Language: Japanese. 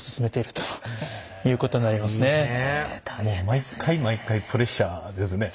毎回毎回プレッシャーですね。